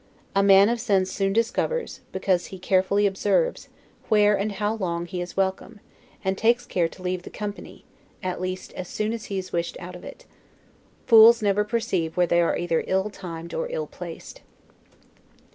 A man of sense soon discovers, because he carefully observes, where, and how long, he is welcome; and takes care to leave the company, at least as soon as he is wished out of it. Fools never perceive where they are either ill timed or illplaced.